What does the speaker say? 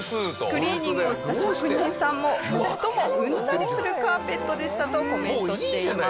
クリーニングをした職人さんも「最もうんざりするカーペットでした」とコメントしています。